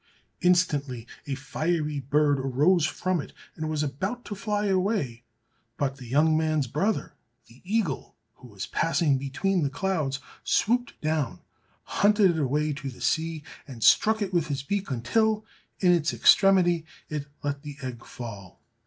Instantly a fiery bird arose from it, and was about to fly away, but the young man's brother, the eagle, who was passing between the clouds, swooped down, hunted it away to the sea, and struck it with his beak until, in its extremity, it let the egg fall.